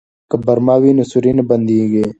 که برمه وي نو سوري نه بنديږي.